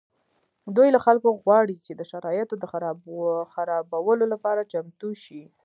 دوی له خلکو غواړي چې د شرایطو د خرابولو لپاره چمتو شي